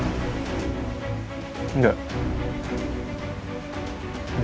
itu adalah nyawa adik anda